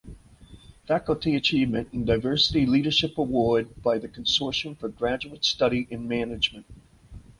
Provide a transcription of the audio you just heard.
Faculty Achievement and Diversity Leadership Award by the Consortium for Graduate Study in Management.